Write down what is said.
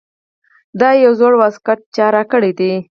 دا یو زوړ واسکټ چا راکړے دے ـ